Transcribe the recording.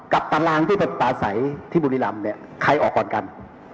กับตารางที่เป็นปลาใสที่บุรีรามใครออกก่อนกัน